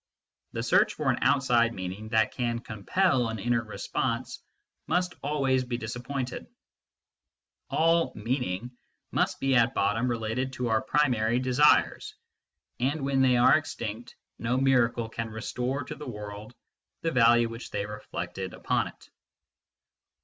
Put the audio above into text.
The search for an outside meaning that can compel an inner response must always be disappointed : all " meaning " must be at bottom related to our primary desires, and when they are extinct no miracle can restore to the world the value which they reflected upon it.